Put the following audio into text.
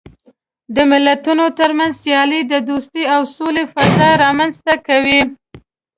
د ملتونو ترمنځ سیالۍ د دوستۍ او سولې فضا رامنځته کوي.